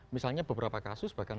misalnya beberapa kasus bahkan